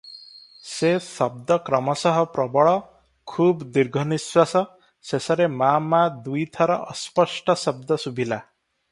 ସେ ଶବ୍ଦ କ୍ରମଶଃ ପ୍ରବଳ, ଖୁବ ଦୀର୍ଘନିଶ୍ୱାସ, ଶେଷରେ ମା’ ମା’ ଦୁଇଥର ଅସ୍ପଷ୍ଟ ଶବ୍ଦ ଶୁଭିଲା ।